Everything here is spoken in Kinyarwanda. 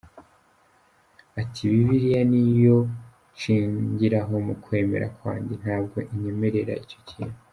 Ati “Bibiliya niyo nshingiraho mu kwemera kwanjye, ntabwo inyemererera icyo kintu.